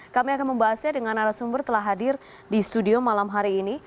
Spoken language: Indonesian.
kami akan membahasnya dengan arah sumber telah hadir di studio malam hari ini